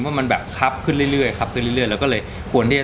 เพราะมันแบบคับขึ้นเรื่อยเรื่อยคับขึ้นเรื่อยเรื่อยแล้วก็เลยควรที่จะ